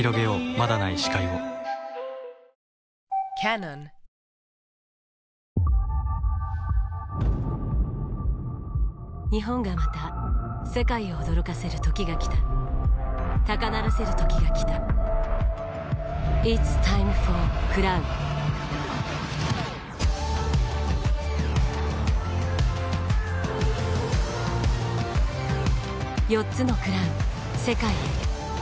まだない視界を日本がまた世界を驚かせる時が来た高鳴らせる時が来たＩｔ’ｓｔｉｍｅｆｏｒＣＲＯＷＮ．４つの「クラウン」世界へ「